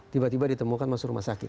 tiba tiba ditemukan masuk rumah sakit